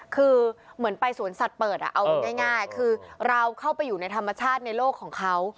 คือเหมือนไปสวนสัตว์เปิดเอาง่ายคือเราเข้าไปอยู่ในธรรมชาติในโลกของเขา